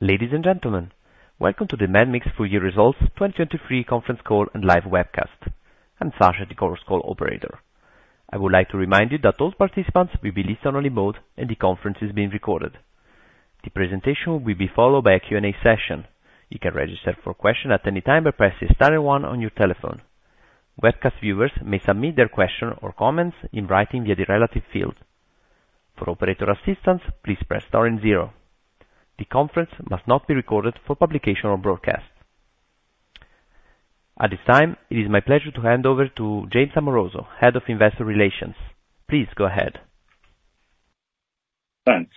Ladies and gentlemen, welcome to the medmix Full Year Results 2023 conference call and live webcast. I'm Sasha, the call operator. I would like to remind you that all participants will be in listen-only mode, and the conference is being recorded. The presentation will be followed by a Q&A session. You can register for questions at any time by pressing star one on your telephone. Webcast viewers may submit their questions or comments in writing via the relevant field. For operator assistance, please press star zero. The conference must not be recorded for publication or broadcast. At this time, it is my pleasure to hand over to James Amoroso, Head of Investor Relations. Please go ahead. Thanks.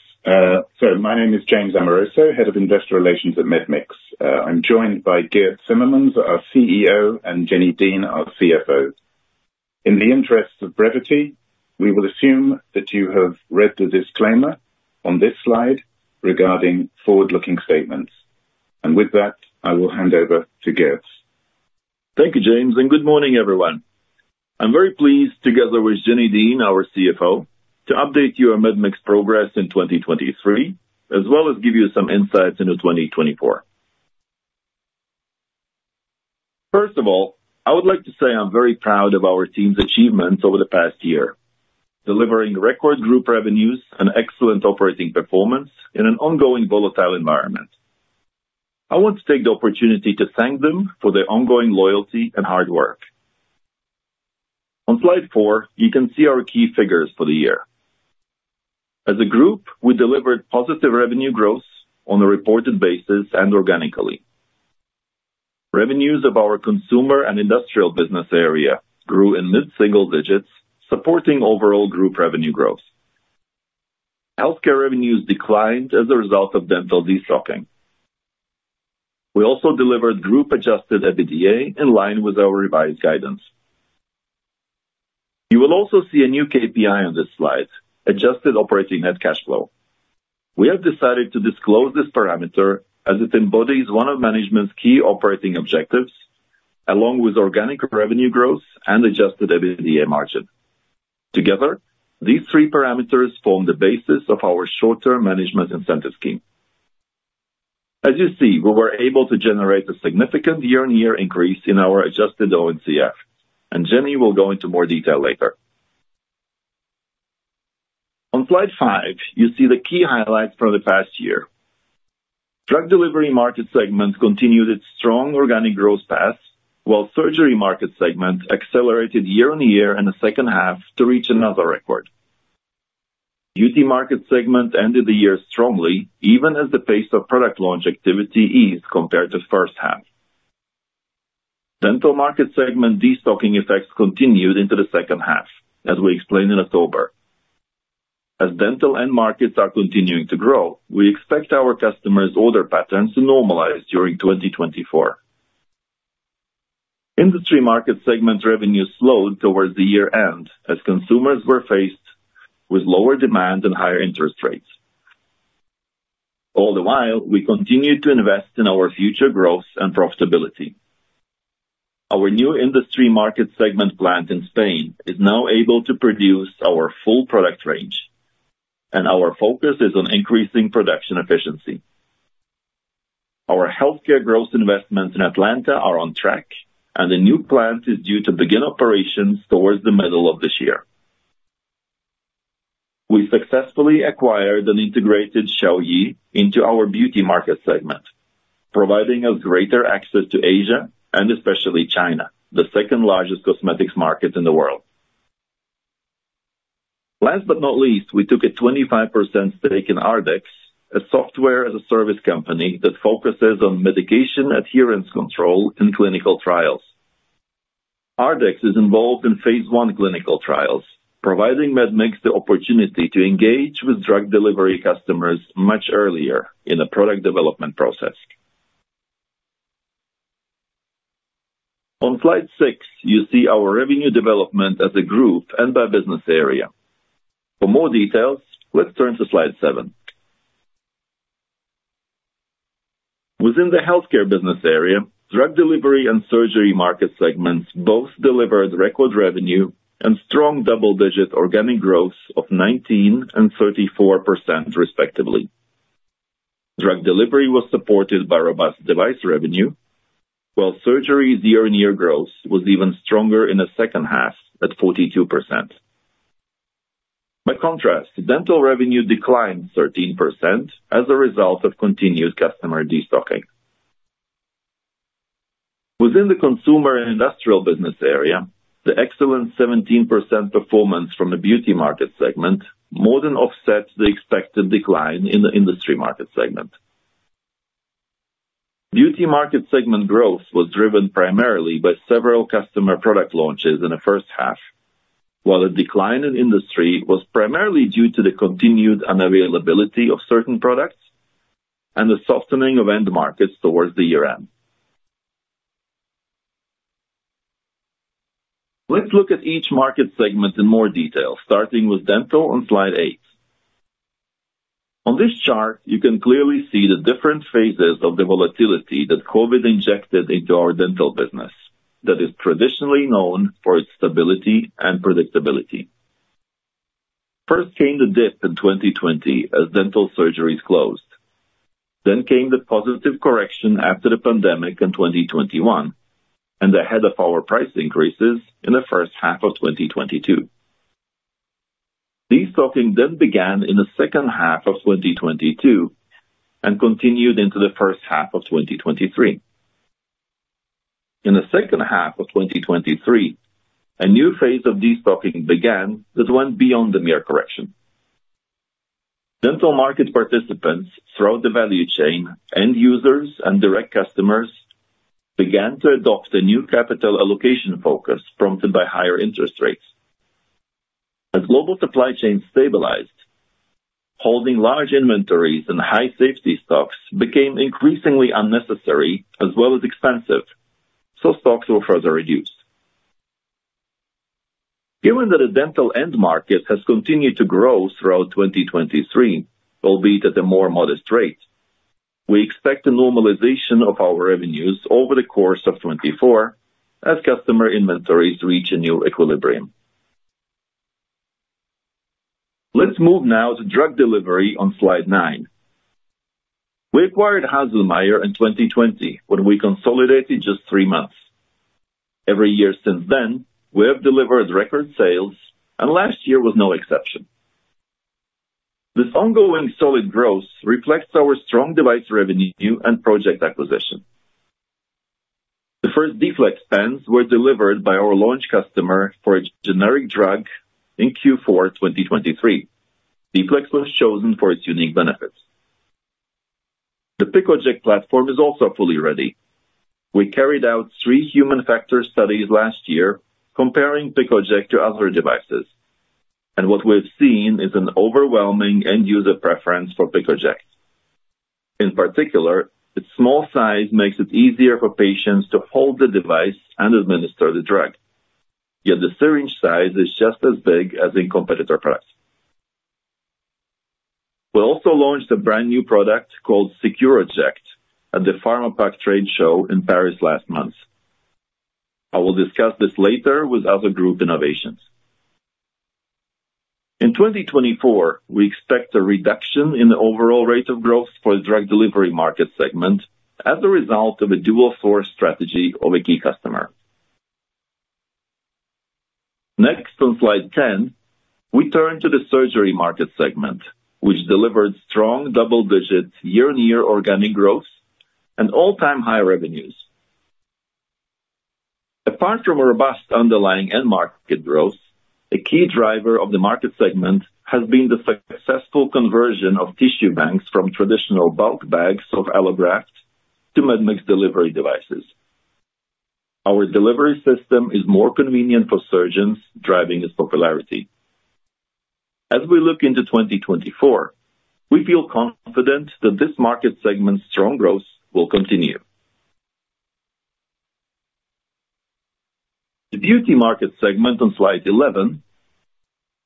So my name is James Amoroso, Head of Investor Relations at medmix. I'm joined by Girts Cimermans, our CEO, and Jennifer Dean, our CFO. In the interests of brevity, we will assume that you have read the disclaimer on this slide regarding forward-looking statements. With that, I will hand over to Girts. Thank you, James, and good morning, everyone. I'm very pleased, together with Jennifer Dean, our CFO, to update you on medmix's progress in 2023, as well as give you some insights into 2024. First of all, I would like to say I'm very proud of our team's achievements over the past year, delivering record group revenues and excellent operating performance in an ongoing volatile environment. I want to take the opportunity to thank them for their ongoing loyalty and hard work. On slide four, you can see our key figures for the year. As a group, we delivered positive revenue growth on a reported basis and organically. Revenues of our consumer and industrial business area grew in mid-single digits, supporting overall group revenue growth. Healthcare revenues declined as a result of dental destocking. We also delivered group-adjusted EBITDA in line with our revised guidance. You will also see a new KPI on this slide, adjusted operating net cash flow. We have decided to disclose this parameter as it embodies one of management's key operating objectives, along with organic revenue growth and Adjusted EBITDA margin. Together, these three parameters form the basis of our short-term management incentive scheme. As you see, we were able to generate a significant year-on-year increase in our adjusted ONCF, and Jenny will go into more detail later. On slide five, you see the key highlights from the past year. Drug delivery market segment continued its strong organic growth path, while surgery market segment accelerated year-on-year in the second half to reach another record. Beauty market segment ended the year strongly, even as the pace of product launch activity eased compared to first half. Dental market segment destocking effects continued into the second half, as we explained in October. As dental end markets are continuing to grow, we expect our customers' order patterns to normalize during 2024. Industry market segment revenues slowed towards the year-end as consumers were faced with lower demand and higher interest rates. All the while, we continued to invest in our future growth and profitability. Our new industry market segment plant in Spain is now able to produce our full product range, and our focus is on increasing production efficiency. Our healthcare growth investments in Atlanta are on track, and the new plant is due to begin operations towards the middle of this year. We successfully acquired an integrated Qiaoyi into our beauty market segment, providing us greater access to Asia and especially China, the second-largest cosmetics market in the world. Last but not least, we took a 25% stake in AARDEX, a software-as-a-service company that focuses on medication adherence control in clinical trials. AARDEX is involved in phase 1 clinical trials, providing medmix the opportunity to engage with drug delivery customers much earlier in the product development process. On slide six, you see our revenue development as a group and by business area. For more details, let's turn to slide seven. Within the healthcare business area, drug delivery and surgery market segments both delivered record revenue and strong double-digit organic growth of 19% and 34%, respectively. Drug delivery was supported by robust device revenue, while surgery's year-on-year growth was even stronger in the second half at 42%. By contrast, dental revenue declined 13% as a result of continued customer destocking. Within the consumer and industrial business area, the excellent 17% performance from the beauty market segment more than offsets the expected decline in the industry market segment. Beauty market segment growth was driven primarily by several customer product launches in the first half, while the decline in Industry was primarily due to the continued unavailability of certain products and the softening of end markets towards the year-end. Let's look at each market segment in more detail, starting with Dental on slide eight. On this chart, you can clearly see the different phases of the volatility that COVID injected into our Dental business that is traditionally known for its stability and predictability. First came the dip in 2020 as Dental surgeries closed. Then came the positive correction after the pandemic in 2021 and ahead of our price increases in the first half of 2022. Destocking then began in the second half of 2022 and continued into the first half of 2023. In the second half of 2023, a new phase of destocking began that went beyond the mere correction. Dental market participants throughout the value chain, end users, and direct customers began to adopt a new capital allocation focus prompted by higher interest rates. As global supply chains stabilized, holding large inventories and high safety stocks became increasingly unnecessary as well as expensive, so stocks were further reduced. Given that the dental end market has continued to grow throughout 2023, albeit at a more modest rate, we expect a normalization of our revenues over the course of 2024 as customer inventories reach a new equilibrium. Let's move now to drug delivery on slide nine. We acquired Haselmeier in 2020 when we consolidated just three months. Every year since then, we have delivered record sales, and last year was no exception. This ongoing solid growth reflects our strong device revenue and project acquisition. The first D-Flex pens were delivered by our launch customer for a generic drug in Q4 2023. D-Flex was chosen for its unique benefits. The PiccoJect platform is also fully ready. We carried out three human factor studies last year comparing PiccoJect to other devices, and what we have seen is an overwhelming end-user preference for PiccoJect. In particular, its small size makes it easier for patients to hold the device and administer the drug, yet the syringe size is just as big as in competitor products. We also launched a brand new product called SecuroJect at the Pharmapack trade show in Paris last month. I will discuss this later with other group innovations. In 2024, we expect a reduction in the overall rate of growth for the drug delivery market segment as a result of a dual-source strategy of a key customer. Next, on slide 10, we turn to the surgery market segment, which delivered strong double-digit year-on-year organic growth and all-time high revenues. Apart from a robust underlying end market growth, a key driver of the market segment has been the successful conversion of tissue banks from traditional bulk bags of allograft to medmix delivery devices. Our delivery system is more convenient for surgeons, driving its popularity. As we look into 2024, we feel confident that this market segment's strong growth will continue. The beauty market segment on slide 11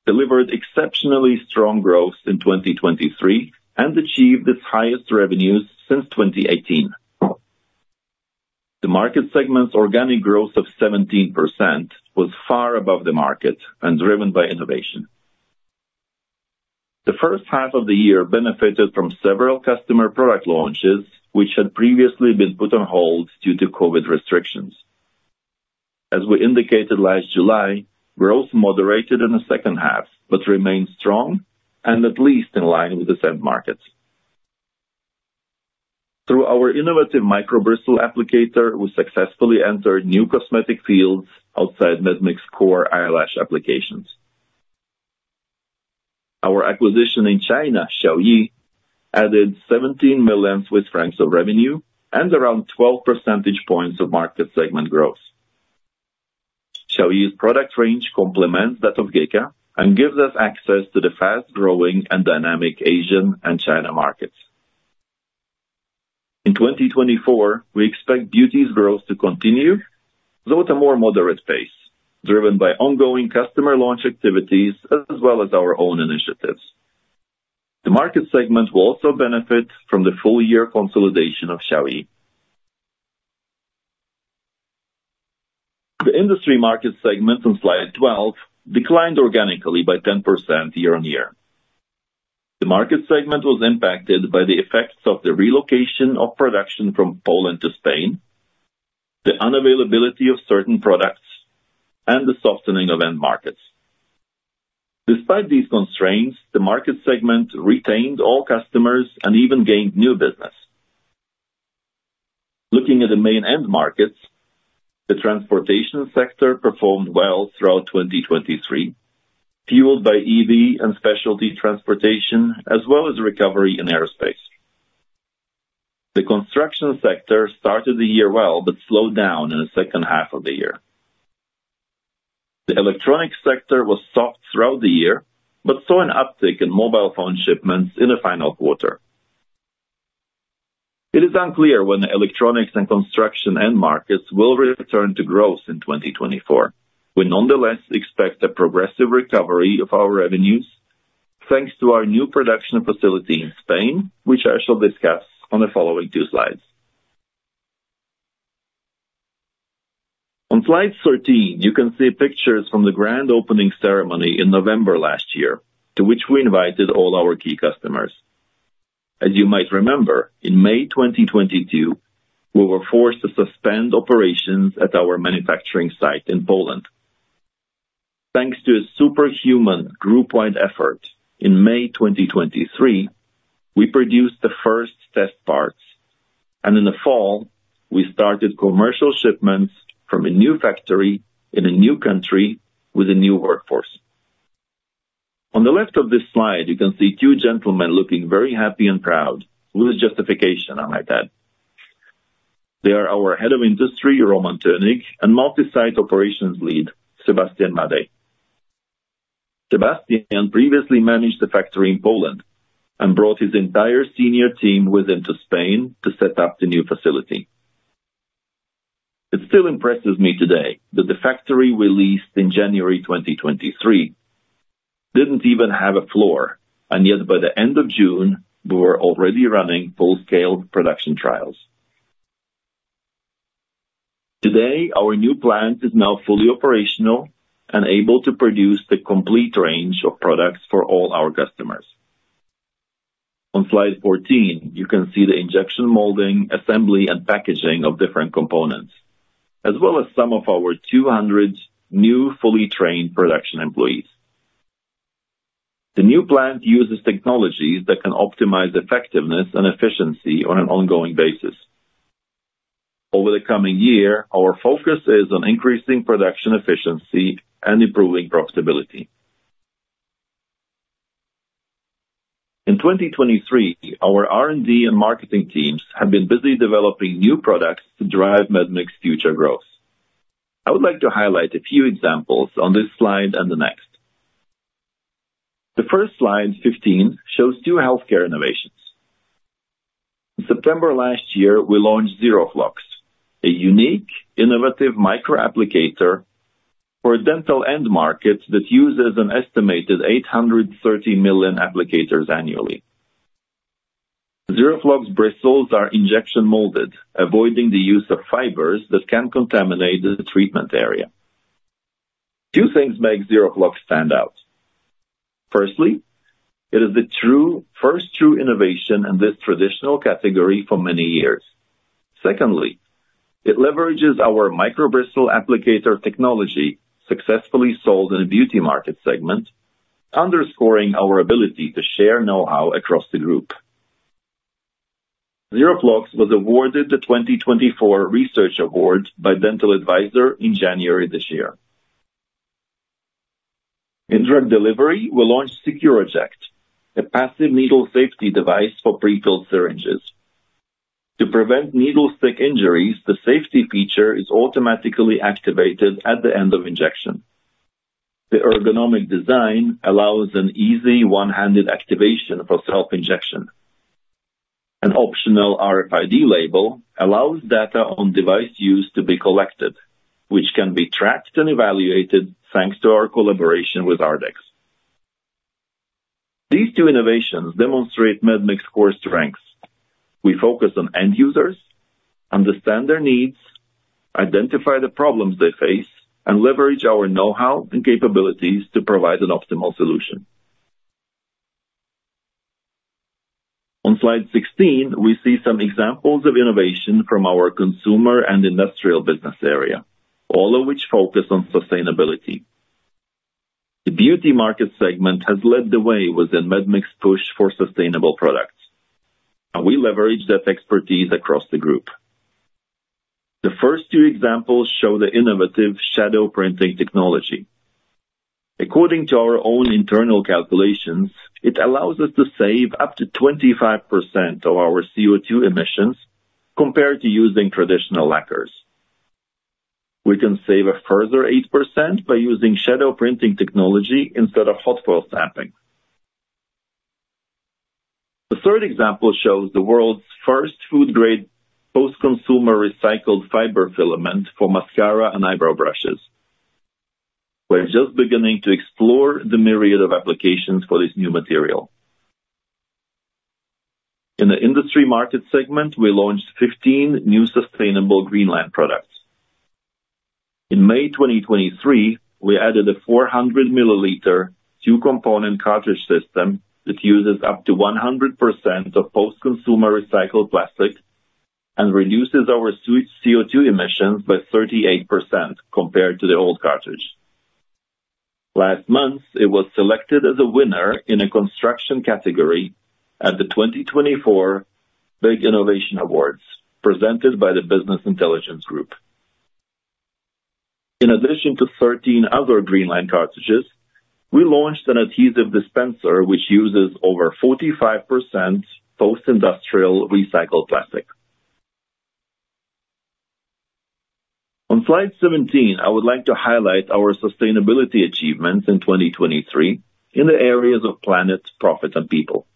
delivered exceptionally strong growth in 2023 and achieved its highest revenues since 2018. The market segment's organic growth of 17% was far above the market and driven by innovation. The first half of the year benefited from several customer product launches, which had previously been put on hold due to COVID restrictions. As we indicated last July, growth moderated in the second half but remained strong and at least in line with this end market. Through our innovative microbristle applicator, we successfully entered new cosmetic fields outside medmix core eyelash applications. Our acquisition in China, Qiaoyi, added 17 million Swiss francs of revenue and around 12 percentage points of market segment growth. Qiaoyi's product range complements that of GEKA and gives us access to the fast-growing and dynamic Asian and China markets. In 2024, we expect beauty's growth to continue though at a more moderate pace, driven by ongoing customer launch activities as well as our own initiatives. The market segment will also benefit from the full-year consolidation of Qiaoyi. The industry market segment on slide 12 declined organically by 10% year-over-year. The market segment was impacted by the effects of the relocation of production from Poland to Spain, the unavailability of certain products, and the softening of end markets. Despite these constraints, the market segment retained all customers and even gained new business. Looking at the main end markets, the transportation sector performed well throughout 2023, fueled by EV and specialty transportation as well as recovery in aerospace. The construction sector started the year well but slowed down in the second half of the year. The electronics sector was soft throughout the year but saw an uptick in mobile phone shipments in the final quarter. It is unclear when the electronics and construction end markets will return to growth in 2024. We nonetheless expect a progressive recovery of our revenues thanks to our new production facility in Spain, which I shall discuss on the following two slides. On slide 13, you can see pictures from the grand opening ceremony in November last year, to which we invited all our key customers. As you might remember, in May 2022, we were forced to suspend operations at our manufacturing site in Poland. Thanks to a superhuman group-wide effort, in May 2023, we produced the first test parts, and in the fall, we started commercial shipments from a new factory in a new country with a new workforce. On the left of this slide, you can see two gentlemen looking very happy and proud with a justification, I might add. They are our Head of Industry, Roman Tucek, and Multi-site Operations Lead, Sebastian Madej. Sebastian previously managed the factory in Poland and brought his entire senior team with him to Spain to set up the new facility. It still impresses me today that the factory we leased in January 2023 didn't even have a floor, and yet by the end of June, we were already running full-scale production trials. Today, our new plant is now fully operational and able to produce the complete range of products for all our customers. On slide 14, you can see the injection molding, assembly, and packaging of different components, as well as some of our 200 new fully trained production employees. The new plant uses technologies that can optimize effectiveness and efficiency on an ongoing basis. Over the coming year, our focus is on increasing production efficiency and improving profitability. In 2023, our R&D and marketing teams have been busy developing new products to drive Medmix future growth. I would like to highlight a few examples on this slide and the next. The first slide, 15, shows two healthcare innovations. In September last year, we launched Xeroflux, a unique, innovative microapplicator for a dental end market that uses an estimated 830 million applicators annually. Xeroflux bristles are injection molded, avoiding the use of fibers that can contaminate the treatment area. Two things make Xeroflux stand out. Firstly, it is the first true innovation in this traditional category for many years. Secondly, it leverages our Microbristle applicator technology, successfully sold in a beauty market segment, underscoring our ability to share know-how across the group. Xeroflux was awarded the 2024 Research Award by Dental Advisor in January this year. In drug delivery, we launched Securoject, a passive needle safety device for prefilled syringes. To prevent needle stick injuries, the safety feature is automatically activated at the end of injection. The ergonomic design allows an easy one-handed activation for self-injection. An optional RFID label allows data on device use to be collected, which can be tracked and evaluated thanks to our collaboration with AARDEX. These two innovations demonstrate medmix core strengths. We focus on end users, understand their needs, identify the problems they face, and leverage our know-how and capabilities to provide an optimal solution. On slide 16, we see some examples of innovation from our consumer and industrial business area, all of which focus on sustainability. The beauty market segment has led the way within medmix's push for sustainable products, and we leverage that expertise across the group. The first two examples show the innovative shadow printing technology. According to our own internal calculations, it allows us to save up to 25% of our CO2 emissions compared to using traditional lacquers. We can save a further 8% by using shadow printing technology instead of hot foil stamping. The third example shows the world's first food-grade post-consumer recycled fiber filament for mascara and eyebrow brushes. We're just beginning to explore the myriad of applications for this new material. In the industry market segment, we launched 15 new sustainable greenLine products. In May 2023, we added a 400 mL two-component cartridge system that uses up to 100% of post-consumer recycled plastic and reduces our CO2 emissions by 38% compared to the old cartridge. Last month, it was selected as a winner in a construction category at the 2024 BIG Innovation Awards, presented by the Business Intelligence Group. In addition to 13 other greenLine cartridges, we launched an adhesive dispenser which uses over 45% post-industrial recycled plastic. On slide 17, I would like to highlight our sustainability achievements in 2023 in the areas of planet, profit, and people.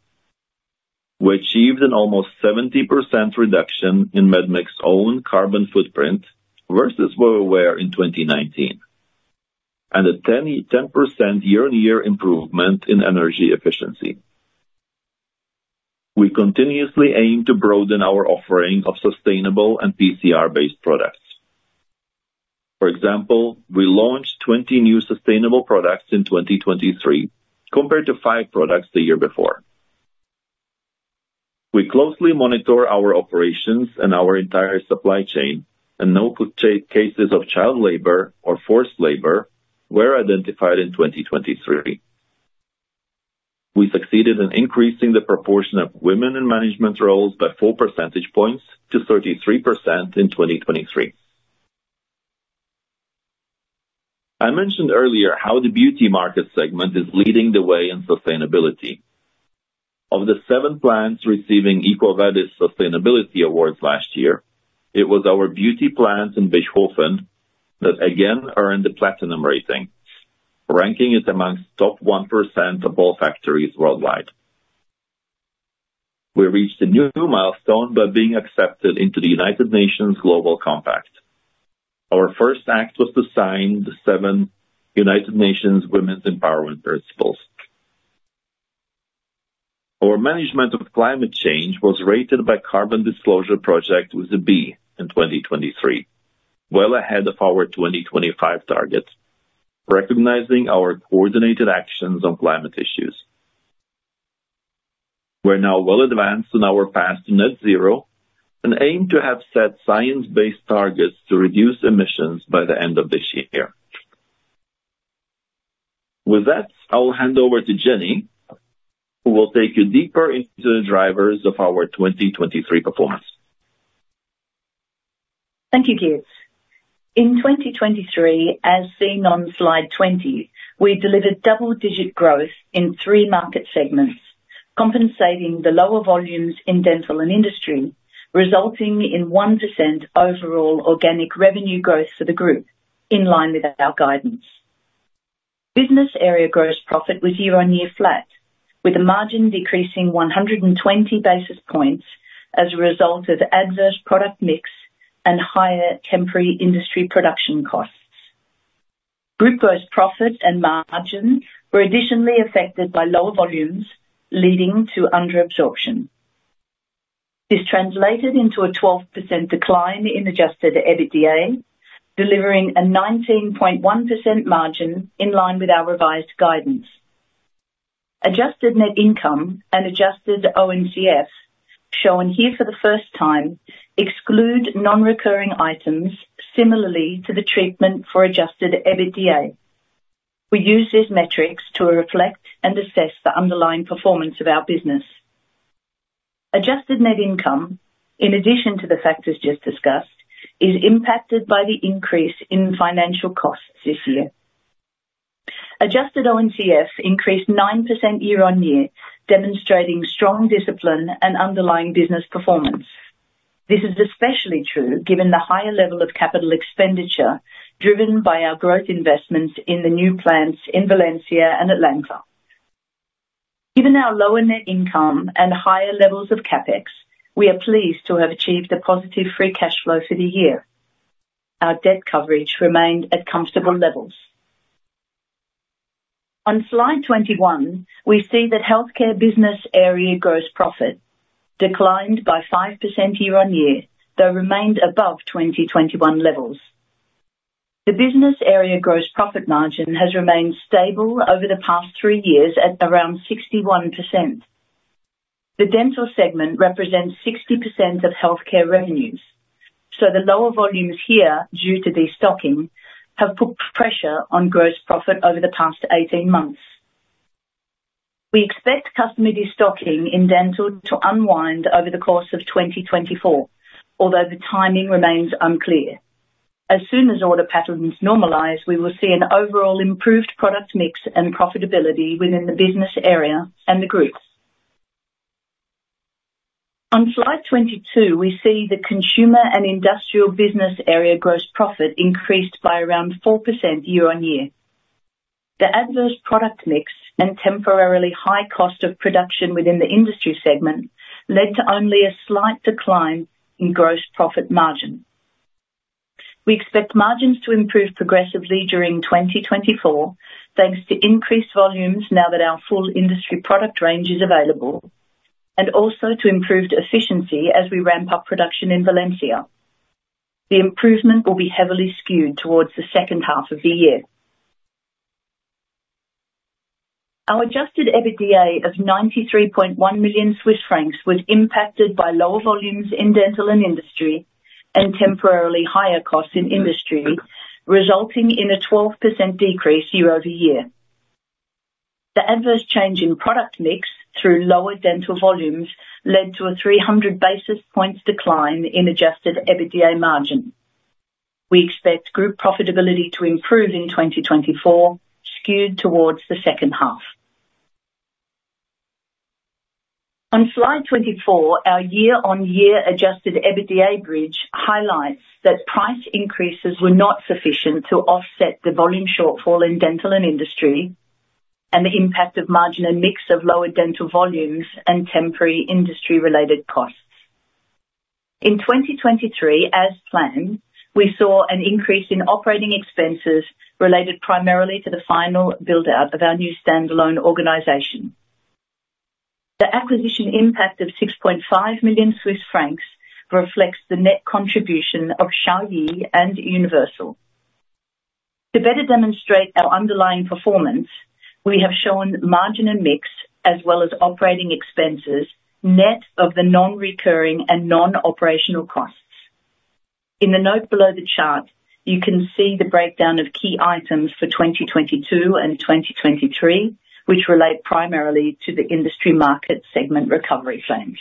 We achieved an almost 70% reduction in medmix's own carbon footprint versus where we were in 2019, and a 10% year-on-year improvement in energy efficiency. We continuously aim to broaden our offering of sustainable and PCR-based products. For example, we launched 20 new sustainable products in 2023 compared to five products the year before. We closely monitor our operations and our entire supply chain, and no cases of child labor or forced labor were identified in 2023. We succeeded in increasing the proportion of women in management roles by 4 percentage points to 33% in 2023. I mentioned earlier how the beauty market segment is leading the way in sustainability. Of the seven plants receiving EcoVadis Sustainability Awards last year, it was our beauty plant in Bechhofen that again earned the Platinum rating, ranking it among the top 1% of all factories worldwide. We reached a new milestone by being accepted into the United Nations Global Compact. Our first act was to sign the seven United Nations Women's Empowerment Principles. Our management of climate change was rated by Carbon Disclosure Project with a B in 2023, well ahead of our 2025 targets, recognizing our coordinated actions on climate issues. We're now well advanced in our path to net zero and aim to have set science-based targets to reduce emissions by the end of this year. With that, I'll hand over to Jenni, who will take you deeper into the drivers of our 2023 performance. Thank you, Girts. In 2023, as seen on slide 20, we delivered double-digit growth in three market segments, compensating the lower volumes in dental and industry, resulting in 1% overall organic revenue growth for the group in line with our guidance. Business area gross profit was year-on-year flat, with the margin decreasing 120 basis points as a result of adverse product mix and higher temporary industry production costs. Group gross profit and margin were additionally affected by lower volumes, leading to underabsorption. This translated into a 12% decline in Adjusted EBITDA, delivering a 19.1% margin in line with our revised guidance. Adjusted net income and Adjusted ONCF, shown here for the first time, exclude non-recurring items similarly to the treatment for Adjusted EBITDA. We use these metrics to reflect and assess the underlying performance of our business. Adjusted net income, in addition to the factors just discussed, is impacted by the increase in financial costs this year. Adjusted ONCF increased 9% year-over-year, demonstrating strong discipline and underlying business performance. This is especially true given the higher level of capital expenditure driven by our growth investments in the new plants in Valencia and Atlanta. Given our lower net income and higher levels of CapEx, we are pleased to have achieved a positive free cash flow for the year. Our debt coverage remained at comfortable levels. On slide 21, we see that healthcare business area gross profit declined by 5% year-over-year, though remained above 2021 levels. The business area gross profit margin has remained stable over the past three years at around 61%. The dental segment represents 60% of healthcare revenues, so the lower volumes here, due to destocking, have put pressure on gross profit over the past 18 months. We expect customer destocking in dental to unwind over the course of 2024, although the timing remains unclear. As soon as order patterns normalize, we will see an overall improved product mix and profitability within the business area and the group. On slide 22, we see the consumer and industrial business area gross profit increased by around 4% year-on-year. The adverse product mix and temporarily high cost of production within the industry segment led to only a slight decline in gross profit margin. We expect margins to improve progressively during 2024 thanks to increased volumes now that our full industry product range is available, and also to improved efficiency as we ramp up production in Valencia. The improvement will be heavily skewed towards the second half of the year. Our Adjusted EBITDA of 93.1 million Swiss francs was impacted by lower volumes in dental and industry and temporarily higher costs in industry, resulting in a 12% decrease year-over-year. The adverse change in product mix through lower dental volumes led to a 300 basis points decline in Adjusted EBITDA margin. We expect group profitability to improve in 2024, skewed towards the second half. On slide 24, our year-on-year Adjusted EBITDA bridge highlights that price increases were not sufficient to offset the volume shortfall in dental and industry and the impact of margin and mix of lower dental volumes and temporary industry-related costs. In 2023, as planned, we saw an increase in operating expenses related primarily to the final build-out of our new standalone organization. The acquisition impact of 6.5 million Swiss francs reflects the net contribution of Qiaoyi and Universal. To better demonstrate our underlying performance, we have shown margin and mix as well as operating expenses net of the non-recurring and non-operational costs. In the note below the chart, you can see the breakdown of key items for 2022 and 2023, which relate primarily to the industry market segment recovery plans.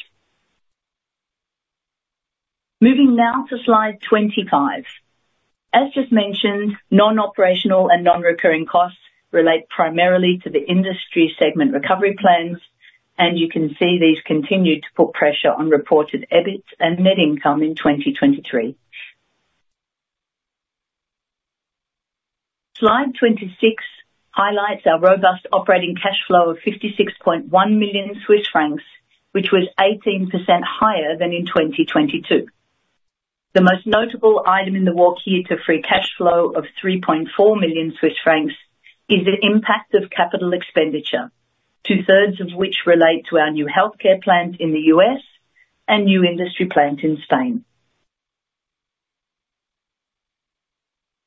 Moving now to slide 25. As just mentioned, non-operational and non-recurring costs relate primarily to the industry segment recovery plans, and you can see these continue to put pressure on reported EBIT and net income in 2023. Slide 26 highlights our robust operating cash flow of 56.1 million Swiss francs, which was 18% higher than in 2022. The most notable item in the walk to Free Cash Flow of 3.4 million Swiss francs is the impact of capital expenditure, two-thirds of which relate to our new healthcare plant in the U.S. and new industry plant in Spain.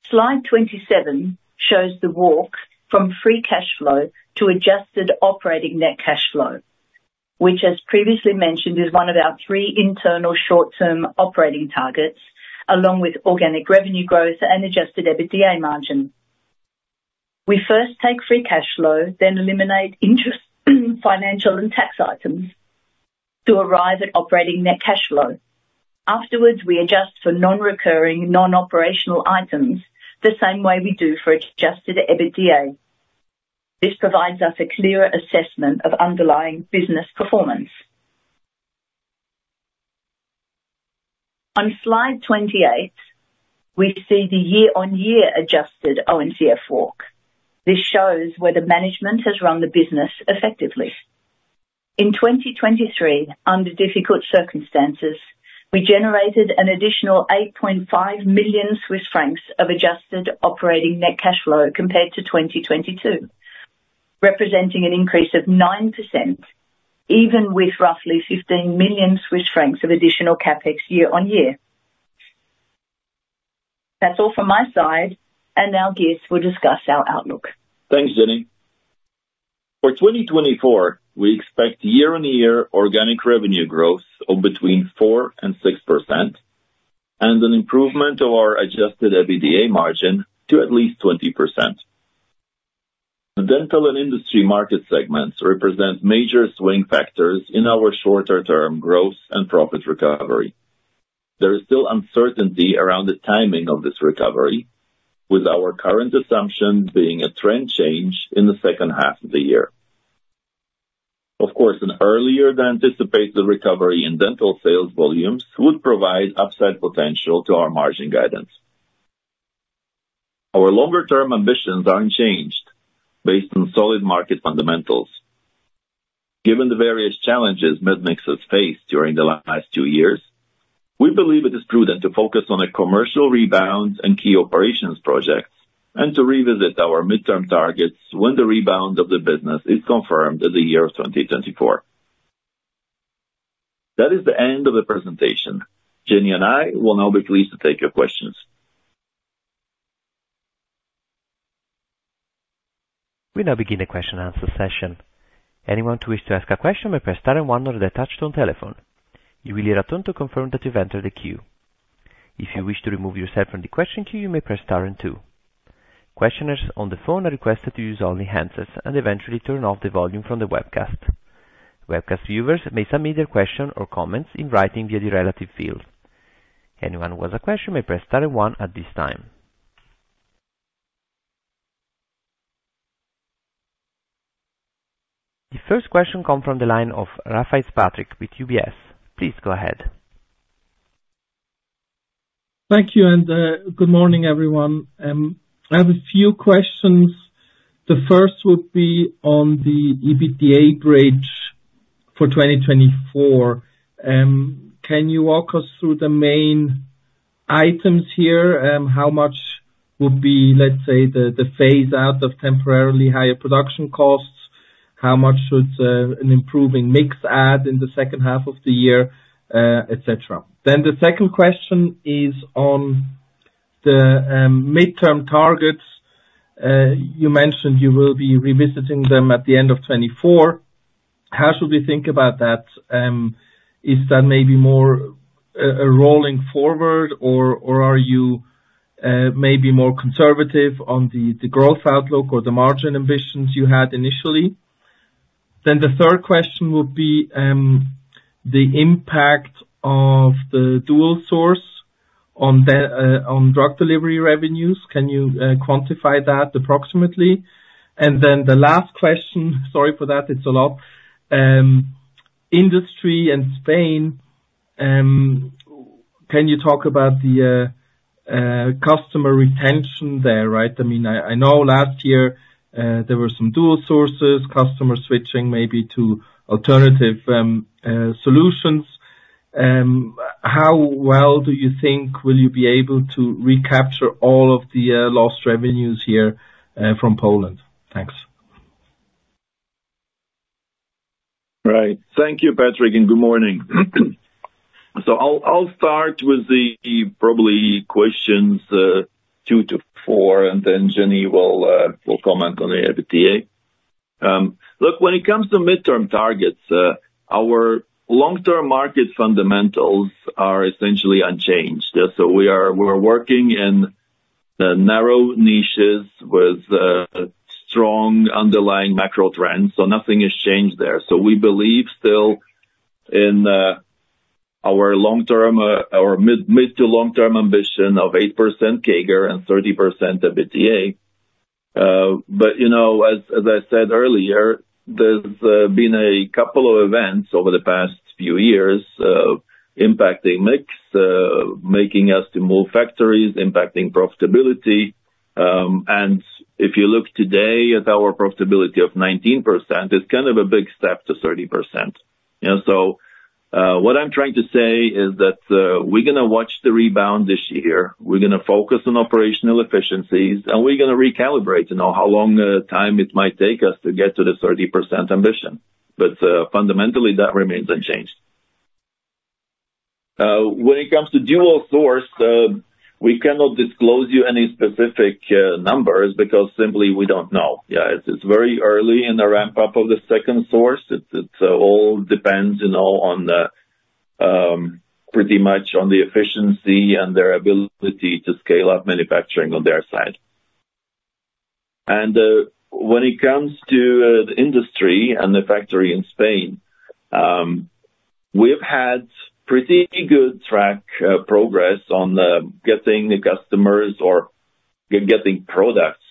Slide 27 shows the walk from free cash flow to adjusted operating net cash flow, which, as previously mentioned, is one of our three internal short-term operating targets along with organic revenue growth and Adjusted EBITDA margin. We first take free cash flow, then eliminate financial and tax items to arrive at operating net cash flow. Afterwards, we adjust for non-recurring, non-operational items the same way we do for Adjusted EBITDA. This provides us a clearer assessment of underlying business performance. On Slide 28, we see the year-over-year adjusted ONCF walk. This shows where the management has run the business effectively. In 2023, under difficult circumstances, we generated an additional 8.5 million Swiss francs of adjusted operating net cash flow compared to 2022, representing an increase of 9% even with roughly 15 million Swiss francs of additional CapEx year on year. That's all from my side, and now Girts will discuss our outlook. Thanks, Jenni. For 2024, we expect year-on-year organic revenue growth of between 4% and 6% and an improvement of our Adjusted EBITDA margin to at least 20%. The dental and industry market segments represent major swing factors in our shorter-term growth and profit recovery. There is still uncertainty around the timing of this recovery, with our current assumption being a trend change in the second half of the year. Of course, an earlier-than-anticipated recovery in dental sales volumes would provide upside potential to our margin guidance. Our longer-term ambitions aren't changed, based on solid market fundamentals. Given the various challenges medmix has faced during the last two years, we believe it is prudent to focus on a commercial rebound and key operations projects and to revisit our midterm targets when the rebound of the business is confirmed at the year of 2024. That is the end of the presentation. Jenni and I will now be pleased to take your questions. We now begin the question-and-answer session. Anyone who wishes to ask a question may press star and one on the touch-tone telephone. You will hear a tone to confirm that you've entered the queue. If you wish to remove yourself from the question queue, you may press star and two. Questioners on the phone are requested to use only handsets and eventually turn off the volume from the webcast. Webcast viewers may submit their question or comments in writing via the relevant field. Anyone who has a question may press star and one at this time. The first question comes from the line of Rafaisz Patrick with UBS. Please go ahead. Thank you, and good morning, everyone. I have a few questions. The first would be on the EBITDA bridge for 2024. Can you walk us through the main items here? How much would be, let's say, the phase-out of temporarily higher production costs? How much should an improving mix add in the second half of the year, etc.? Then the second question is on the midterm targets. You mentioned you will be revisiting them at the end of 2024. How should we think about that? Is that maybe more a rolling forward, or are you maybe more conservative on the growth outlook or the margin ambitions you had initially? Then the third question would be the impact of the dual source on drug delivery revenues. Can you quantify that approximately? And then the last question, sorry for that, it's a lot, industry and Spain. Can you talk about the customer retention there, right? I mean, I know last year there were some dual sources, customer switching maybe to alternative solutions. How well do you think will you be able to recapture all of the lost revenues here from Poland? Thanks. Right. Thank you, Patrick, and good morning. So I'll start with probably questions two to four, and then Jenni will comment on the EBITDA. Look, when it comes to midterm targets, our long-term market fundamentals are essentially unchanged. So we're working in narrow niches with strong underlying macro trends, so nothing has changed there. So we believe still in our mid to long-term ambition of 8% CAGR and 30% EBITDA. But as I said earlier, there's been a couple of events over the past few years impacting mix, making us to move factories, impacting profitability. And if you look today at our profitability of 19%, it's kind of a big step to 30%. So what I'm trying to say is that we're going to watch the rebound this year. We're going to focus on operational efficiencies, and we're going to recalibrate how long time it might take us to get to the 30% ambition. But fundamentally, that remains unchanged. When it comes to dual source, we cannot disclose you any specific numbers because simply we don't know. Yeah, it's very early in the ramp-up of the second source. It all depends pretty much on the efficiency and their ability to scale up manufacturing on their side. And when it comes to the industry and the factory in Spain, we've had pretty good track progress on getting customers or getting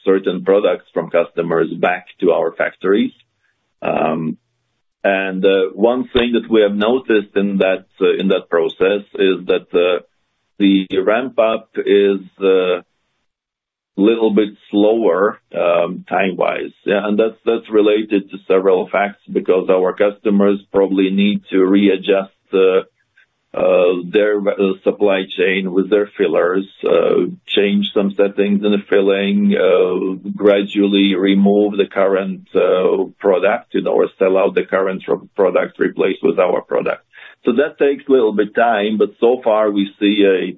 certain products from customers back to our factories. And one thing that we have noticed in that process is that the ramp-up is a little bit slower time-wise. That's related to several facts because our customers probably need to readjust their supply chain with their fillers, change some settings in the filling, gradually remove the current product, or sell out the current product, replace with our product. So that takes a little bit time, but so far, we see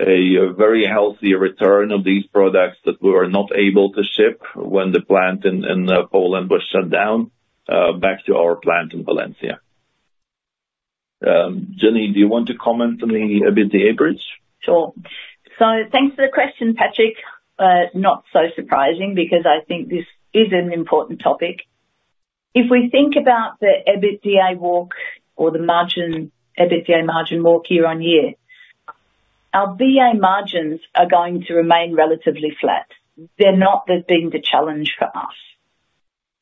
a very healthy return of these products that we were not able to ship when the plant in Poland was shut down back to our plant in Valencia. Jenni, do you want to comment on the EBITDA bridge? Sure. So thanks for the question, Patrick. Not so surprising because I think this is an important topic. If we think about the EBITDA walk or the EBITDA margin walk year-on-year, our EBITDA margins are going to remain relatively flat. They're not being the challenge for us.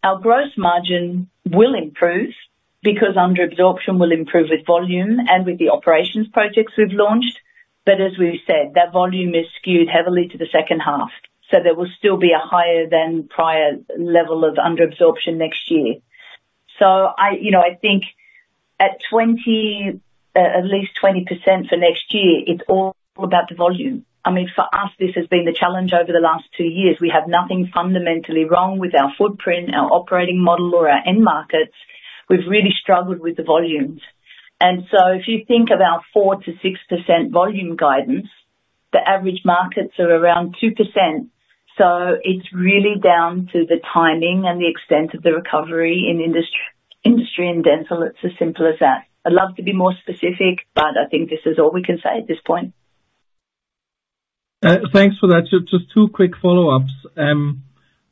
Our gross margin will improve because underabsorption will improve with volume and with the operations projects we've launched. But as we said, that volume is skewed heavily to the second half, so there will still be a higher-than-prior level of underabsorption next year. So I think at least 20% for next year, it's all about the volume. I mean, for us, this has been the challenge over the last two years. We have nothing fundamentally wrong with our footprint, our operating model, or our end markets. We've really struggled with the volumes. So if you think of our 4%-6% volume guidance, the average markets are around 2%. It's really down to the timing and the extent of the recovery in industry and dental. It's as simple as that. I'd love to be more specific, but I think this is all we can say at this point. Thanks for that. Just two quick follow-ups.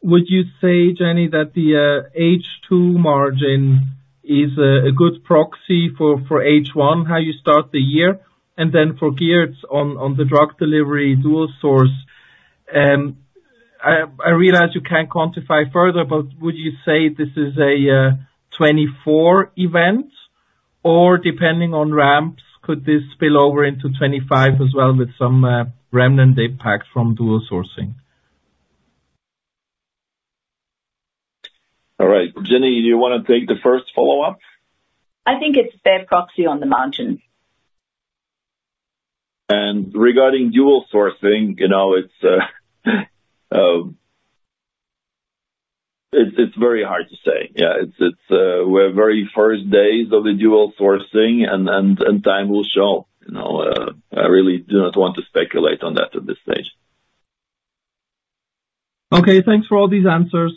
Would you say, Jenni, that the H2 margin is a good proxy for H1, how you start the year, and then for Girts on the drug delivery dual source? I realize you can't quantify further, but would you say this is a 2024 event? Or depending on ramps, could this spill over into 2025 as well with some remnant impact from dual sourcing? All right. Jenni, do you want to take the first follow-up? I think it's a fair proxy on the margin. Regarding dual sourcing, it's very hard to say. Yeah, we're very first days of the dual sourcing, and time will show. I really do not want to speculate on that at this stage. Okay. Thanks for all these answers.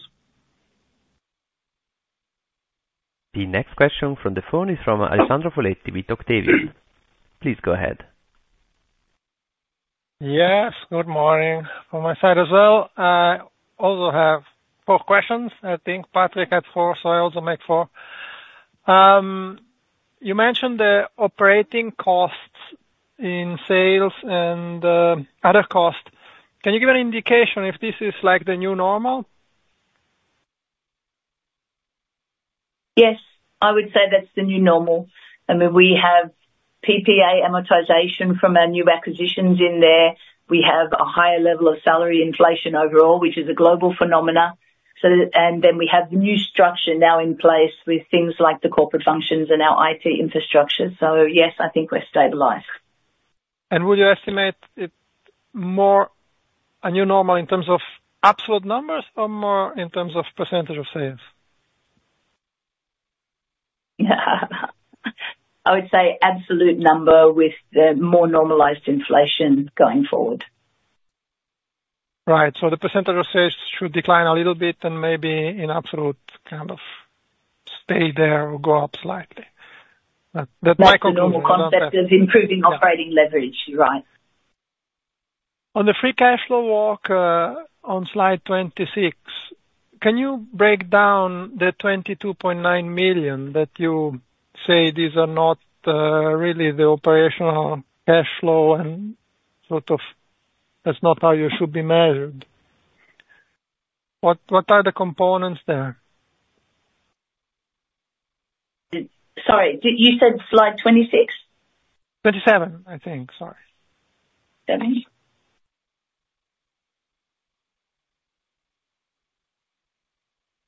The next question from the phone is from Alessandro Foletti with Octavian. Please go ahead. Yes. Good morning from my side as well. I also have four questions, I think. Patrick had four, so I also make four. You mentioned the operating costs in sales and other costs. Can you give an indication if this is the new normal? Yes. I would say that's the new normal. I mean, we have PPA amortization from our new acquisitions in there. We have a higher level of salary inflation overall, which is a global phenomenon. And then we have the new structure now in place with things like the corporate functions and our IT infrastructure. So yes, I think we're stabilized. Would you estimate a new normal in terms of absolute numbers or more in terms of percentage of sales? I would say absolute number with more normalized inflation going forward. Right. So the percentage of sales should decline a little bit and maybe in absolute kind of stay there or go up slightly. That might conclude the number. That's the normal concept of improving operating leverage. You're right. On the free cash flow walk on slide 26, can you break down the 22.9 million that you say these are not really the operational cash flow and sort of that's not how you should be measured? What are the components there? Sorry. You said slide 26? 27, I think. Sorry. Okay.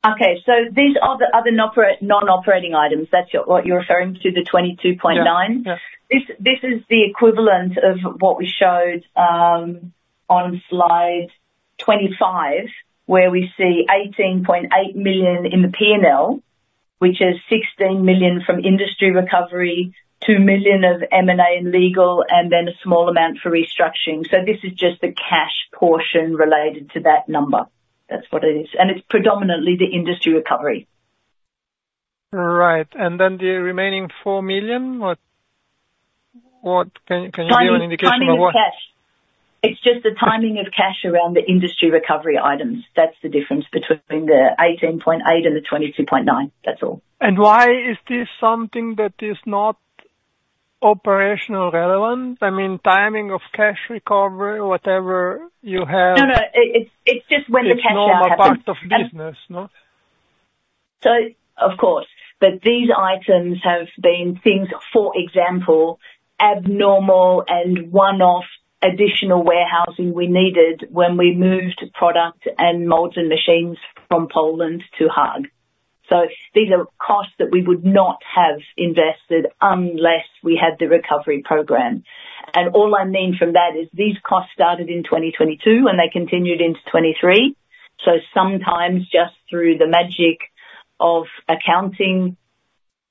So these are the other non-operating items. That's what you're referring to, the 22.9? Yeah. Yeah. This is the equivalent of what we showed on slide 25, where we see 18.8 million in the P&L, which is 16 million from industry recovery, 2 million of M&A and legal, and then a small amount for restructuring. So this is just the cash portion related to that number. That's what it is. And it's predominantly the industry recovery. Right. And then the remaining 4 million, what can you give an indication of what? Timing of cash. It's just the timing of cash around the industry recovery items. That's the difference between the 18.8 and the 22.9. That's all. Why is this something that is not operationally relevant? I mean, timing of cash recovery, whatever you have. No, no. It's just when the cash out happens. It's not a part of business, no? Of course. But these items have been things, for example, abnormal and one-off additional warehousing we needed when we moved product and molds and machines from Poland to The Hague. So these are costs that we would not have invested unless we had the recovery program. And all I mean from that is these costs started in 2022, and they continued into 2023. So sometimes just through the magic of accounting,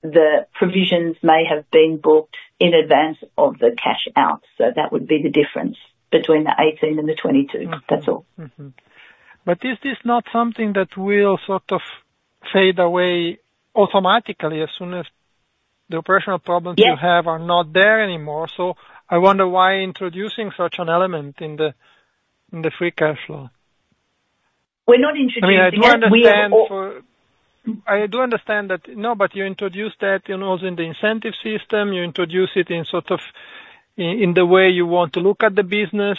the provisions may have been booked in advance of the cash out. So that would be the difference between the 18 and the 22. That's all. But is this not something that will sort of fade away automatically as soon as the operational problems you have are not there anymore? So I wonder why introducing such an element in the free cash flow? We're not introducing that. We will. I mean, I do understand that, no, but you introduced that also in the incentive system. You introduce it in sort of the way you want to look at the business.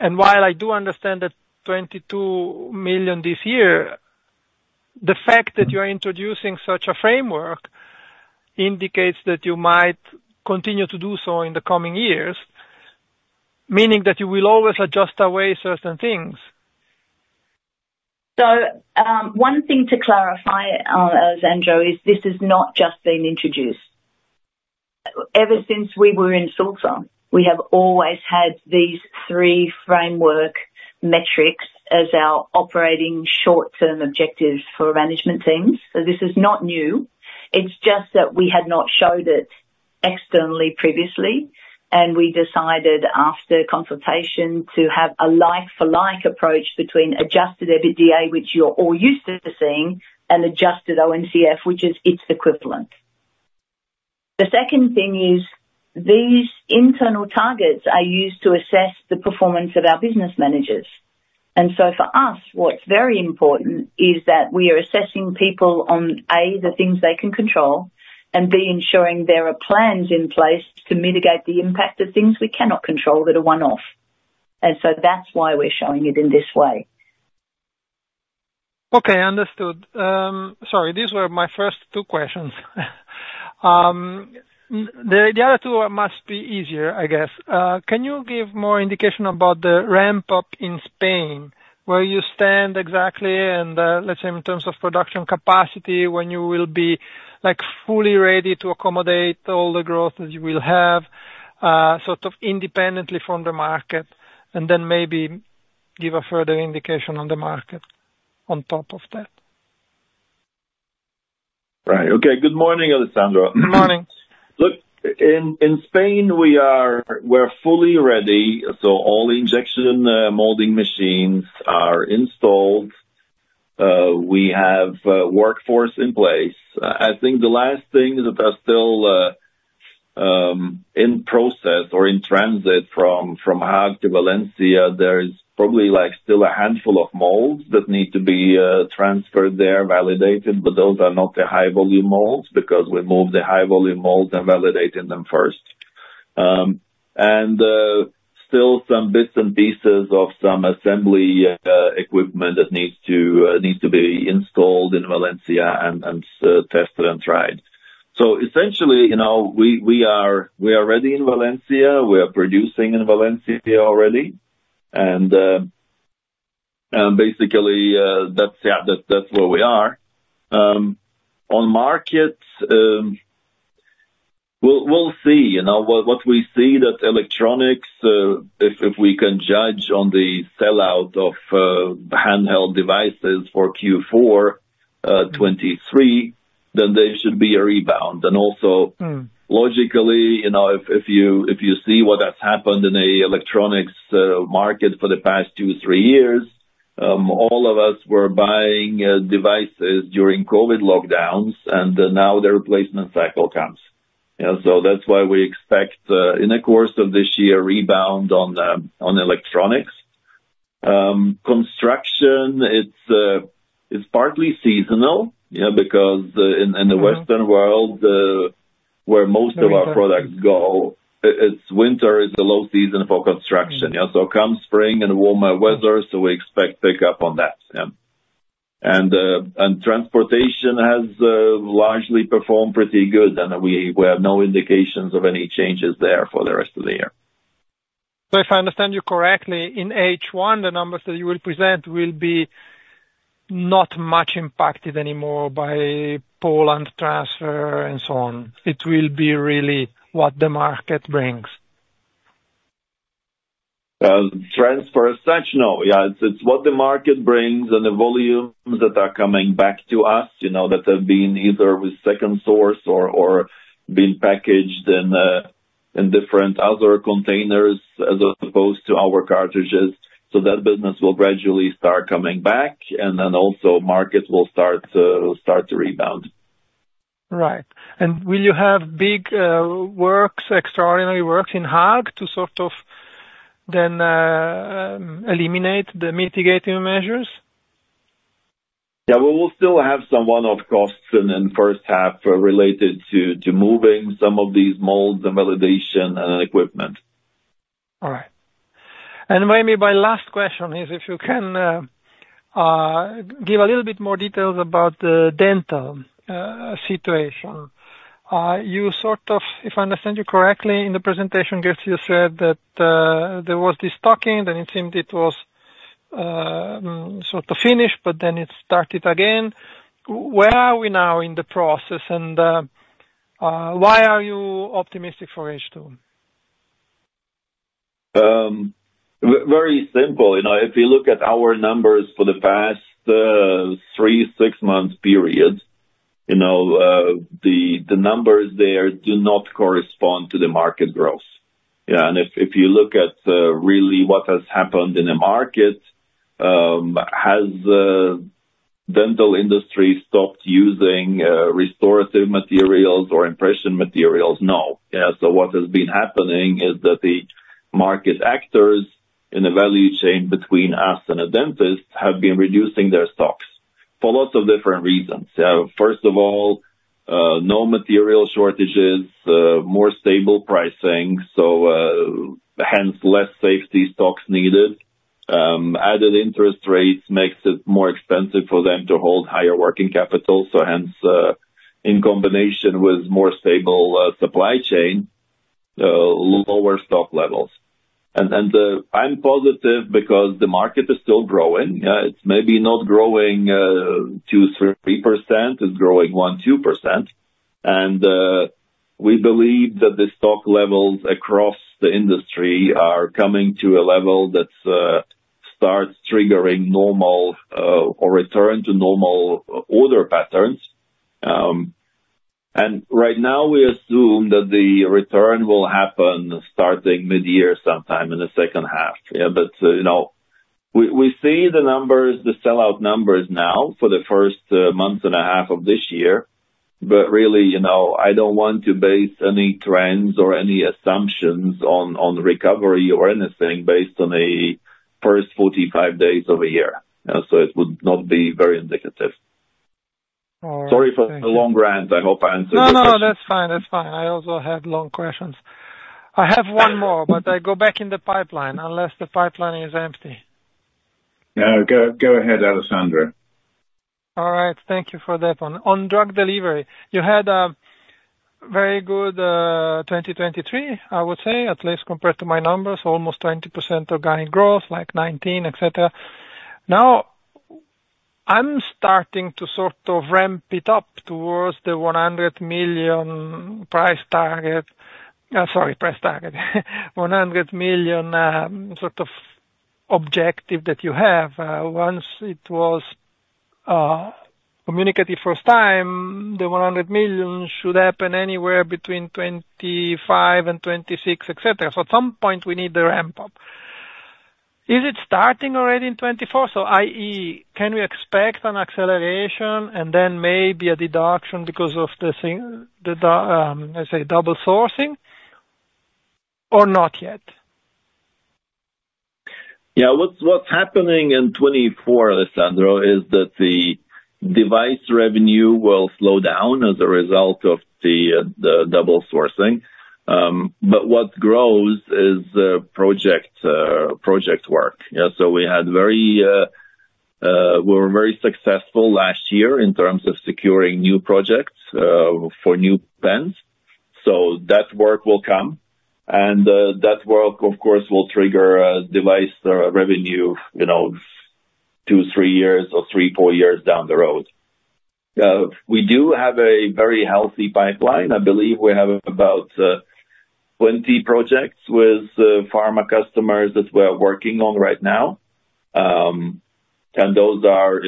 While I do understand that 22 million this year, the fact that you're introducing such a framework indicates that you might continue to do so in the coming years, meaning that you will always adjust away certain things. So one thing to clarify, Sandro, is this has not just been introduced. Ever since we were in Sulzer, we have always had these three framework metrics as our operating short-term objectives for management teams. So this is not new. It's just that we had not showed it externally previously. And we decided after consultation to have a like-for-like approach between Adjusted EBITDA, which you're all used to seeing, and Adjusted ONCF, which is its equivalent. The second thing is these internal targets are used to assess the performance of our business managers. And so for us, what's very important is that we are assessing people on, A, the things they can control, and, B, ensuring there are plans in place to mitigate the impact of things we cannot control that are one-off. And so that's why we're showing it in this way. Okay. Understood. Sorry. These were my first two questions. The other two must be easier, I guess. Can you give more indication about the ramp-up in Spain where you stand exactly and, let's say, in terms of production capacity when you will be fully ready to accommodate all the growth that you will have sort of independently from the market, and then maybe give a further indication on the market on top of that? Right. Okay. Good morning, Alessandro. Good morning. Look, in Spain, we're fully ready. All injection molding machines are installed. We have workforce in place. I think the last thing is that they're still in process or in transit from The Hague to Valencia. There is probably still a handful of molds that need to be transferred there, validated, but those are not the high-volume molds because we move the high-volume molds and validating them first. Still some bits and pieces of some assembly equipment that needs to be installed in Valencia and tested and tried. Essentially, we are ready in Valencia. We are producing in Valencia already. Basically, yeah, that's where we are. On market, we'll see. What we see that electronics, if we can judge on the sellout of handheld devices for Q4 2023, then there should be a rebound. Also logically, if you see what has happened in the electronics market for the past two to threeyears, all of us were buying devices during COVID lockdowns, and now the replacement cycle comes. So that's why we expect in the course of this year, rebound on electronics. Construction, it's partly seasonal because in the Western world, where most of our products go, winter is the low season for construction. So it comes spring and warmer weather, so we expect pickup on that. And transportation has largely performed pretty good, and we have no indications of any changes there for the rest of the year. If I understand you correctly, in H1, the numbers that you will present will be not much impacted anymore by Poland transfer and so on? It will be really what the market brings. Transfer as such, no. Yeah, it's what the market brings and the volumes that are coming back to us that have been either with second source or been packaged in different other containers as opposed to our cartridges. So that business will gradually start coming back, and then also market will start to rebound. Right. Will you have big works, extraordinary works in The Hague to sort of then eliminate the mitigating measures? Yeah. We will still have some one-off costs in the first half related to moving some of these molds and validation and equipment. All right. Maybe my last question is if you can give a little bit more details about the dental situation. If I understand you correctly, in the presentation, Girts, you said that there was this destocking, then it seemed it was sort of finished, but then it started again. Where are we now in the process, and why are you optimistic for H2? Very simple. If you look at our numbers for the past three six-month period, the numbers there do not correspond to the market growth. If you look at really what has happened in the market, has the dental industry stopped using restorative materials or impression materials? No. So what has been happening is that the market actors in the value chain between us and a dentist have been reducing their stocks for lots of different reasons. First of all, no material shortages, more stable pricing, so hence less safety stocks needed. Added interest rates makes it more expensive for them to hold higher working capital. So hence, in combination with more stable supply chain, lower stock levels. And I'm positive because the market is still growing. It's maybe not growing 2%-3%. It's growing 1%-2%. We believe that the stock levels across the industry are coming to a level that starts triggering normal or return to normal order patterns. Right now, we assume that the return will happen starting mid-year sometime in the second half. We see the numbers, the sellout numbers now for the first month and a half of this year. Really, I don't want to base any trends or any assumptions on recovery or anything based on the first 45 days of a year. It would not be very indicative. Sorry for the long rant. I hope I answered your question. No, no, no. That's fine. That's fine. I also had long questions. I have one more, but I go back in the pipeline unless the pipeline is empty. Yeah. Go ahead, Alessandro. All right. Thank you for that one. On drug delivery, you had a very good 2023, I would say, at least compared to my numbers, almost 20% organic growth, like 19, etc. Now, I'm starting to sort of ramp it up towards the 100 million price target—sorry, price target, 100 million sort of objective that you have. Once it was communicated first time, the 100 million should happen anywhere between 2025 and 2026, etc. So at some point, we need the ramp-up. Is it starting already in 2024? So i.e., can we expect an acceleration and then maybe a deduction because of the, let's say, double sourcing or not yet? Yeah. What's happening in 2024, Alessandro, is that the device revenue will slow down as a result of the double sourcing. But what grows is project work. So we were very successful last year in terms of securing new projects for new PENs. So that work will come. And that work, of course, will trigger device revenue two to three years or three to four years down the road. We do have a very healthy pipeline. I believe we have about 20 projects with pharma customers that we are working on right now. And those are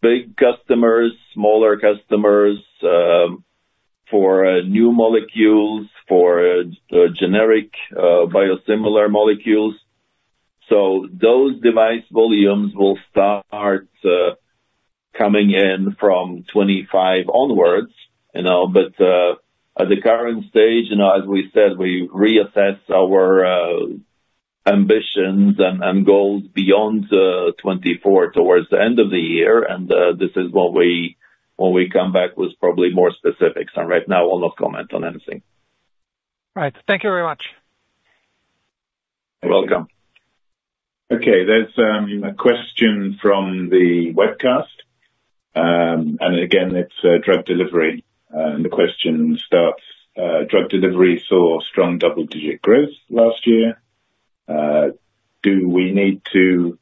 big customers, smaller customers for new molecules, for generic biosimilar molecules. So those device volumes will start coming in from 2025 onwards. But at the current stage, as we said, we reassess our ambitions and goals beyond 2024 towards the end of the year. This is when we come back with probably more specifics. Right now, I will not comment on anything. Right. Thank you very much. You're welcome. Okay. There's a question from the webcast. Again, it's drug delivery. And the question starts, "Drug delivery saw strong double-digit growth last year. Do we need to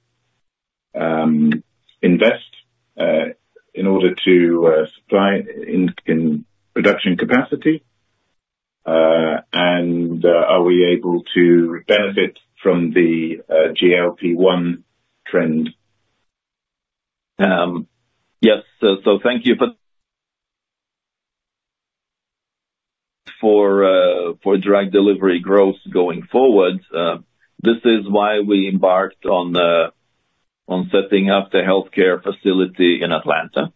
invest in order to supply in production capacity? And are we able to benefit from the GLP-1 trend? Yes. So thank you. But for drug delivery growth going forward, this is why we embarked on setting up the healthcare facility in Atlanta.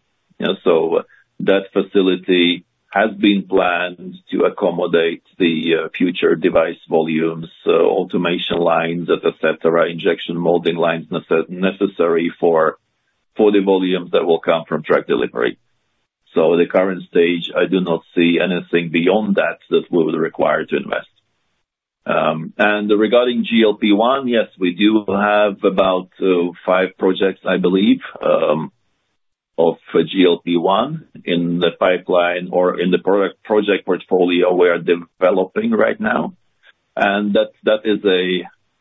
So that facility has been planned to accommodate the future device volumes, automation lines, etc., injection molding lines necessary for the volumes that will come from drug delivery. So at the current stage, I do not see anything beyond that that we would require to invest. And regarding GLP-1, yes, we do have about five projects, I believe, of GLP-1 in the pipeline or in the project portfolio we are developing right now. And that is,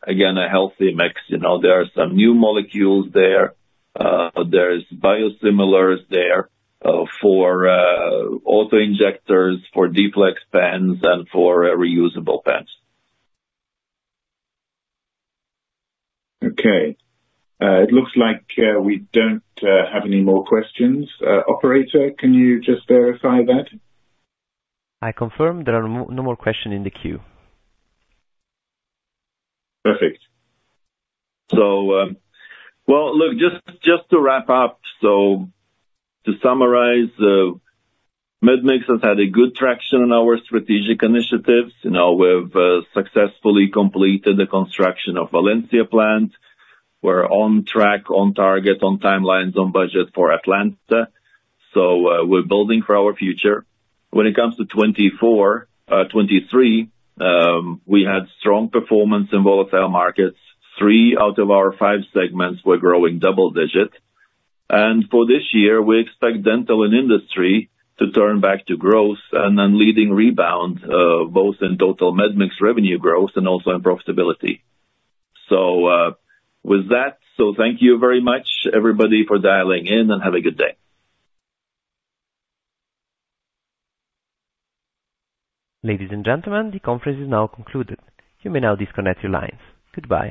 again, a healthy mix. There are some new molecules there. There's biosimilars there for autoinjectors, for D-Flex PENs, and for reusable PENs. Okay. It looks like we don't have any more questions. Operator, can you just verify that? I confirm there are no more questions in the queue. Perfect. Well, look, just to wrap up, so to summarize, medmix has had a good traction in our strategic initiatives. We've successfully completed the construction of Valencia plant. We're on track, on target, on timelines, on budget for Atlanta. So we're building for our future. When it comes to 2023, we had strong performance in volatile markets. Three out of our five segments were growing double-digit. And for this year, we expect dental and industry to turn back to growth and then leading rebound both in total medmix revenue growth and also in profitability. So with that, so thank you very much, everybody, for dialing in, and have a good day. Ladies and gentlemen, the conference is now concluded. You may now disconnect your lines. Goodbye.